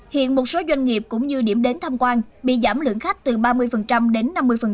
hiện một số doanh nghiệp cũng như điểm đến tham quan bị giảm lượng khách từ ba mươi đến năm mươi